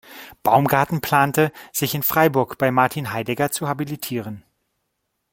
Baumgarten plante, sich in Freiburg bei Martin Heidegger zu habilitieren.